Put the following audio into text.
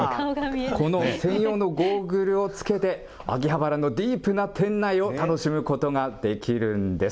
この専用のゴーグルをつけて、秋葉原のディープな店内を楽しむことができるんです。